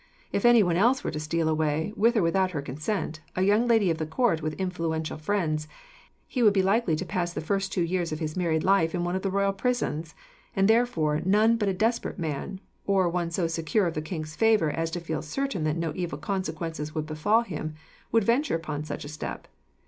If anyone else were to steal away, with or without her consent, a young lady of the court with influential friends, he would be likely to pass the first two years of his married life in one of the royal prisons; and therefore none but a desperate man, or one so secure of the king's favour as to feel certain that no evil consequences would befall him, would venture upon such a step.